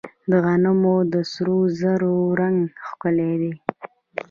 د غنمو د سرو زرو رنګ ښکلی دی.